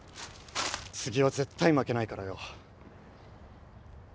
次は絶対負けないからよ。